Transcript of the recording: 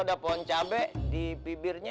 ada pohon cabai di bibirnya